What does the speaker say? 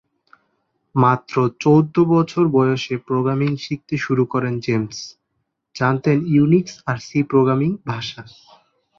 মাত্র চৌদ্দ বছর বয়সে প্রোগ্রামিং শিখতে শুরু করেন জেমস, জানতেন ইউনিক্স আর সি প্রোগ্রামিং ভাষা।